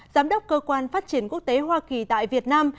giám đốc cơ quan phát triển quốc tế hoa kỳ tại việt nam